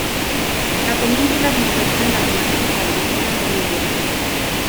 La península se encuentra en la zona tropical de China meridional.